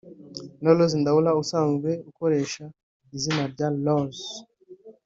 na Roz Ndaura usanzwe ukoresha izina rya Roz